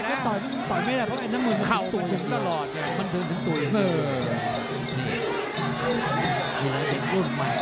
ไม่ใช่แค่ต่อยไม่ได้เพราะว่าแอนต์น้ำมือมันดึงถึงตัวอย่างเดียว